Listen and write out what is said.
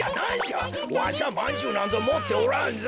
わしはまんじゅうなんぞもっておらんぞ。